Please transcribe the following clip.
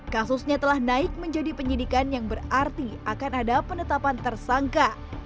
kasusnya telah naik menjadi penyidikan yang berarti akan ada penetapan tersangka